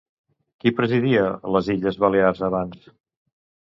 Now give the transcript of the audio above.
Qui presidia les Illes Balears abans?